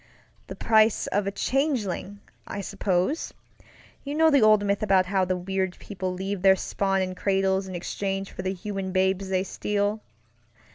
The price of a changeling, I supposeŌĆöyou know the old myth about how the weird people leave their spawn in cradles in exchange for the human babes they steal.